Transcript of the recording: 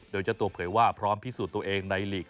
โดยเจ้าตัวเผยว่าพร้อมพิสูจน์ตัวเองในหลีก